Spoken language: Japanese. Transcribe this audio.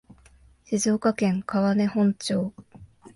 静岡県川根本町